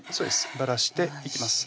ばらしていきます